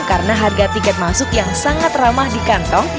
karena harga tiket masuk yang sangat ramah di kantong